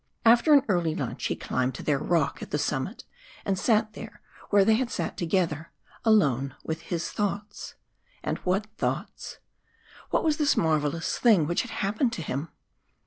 After an early lunch he climbed to their rock at the summit, and sat there where they had sat together alone with his thoughts. And what thoughts! What was this marvellous thing which had happened to him?